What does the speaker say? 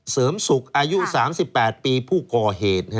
เสริมสุขอายุ๓๘ปีผู้ก่อเหตุ